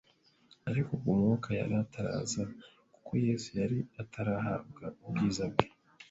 ariko ubwo Umwuka yari ataraza, kuko Yesu yari atarahabwa ubwiza bwe."